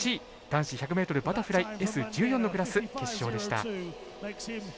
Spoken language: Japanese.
男子１００ｍバタフライＳ１４のクラス、決勝でした。